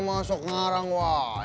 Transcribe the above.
masuk ngarang wah